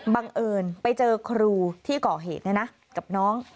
บังเอิญไปเจอครูที่ก่อเหตุเนี่ยนะกับน้อง